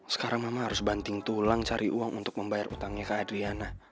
sekarang mama harus banting tulang cari uang untuk membayar utangnya ke adriana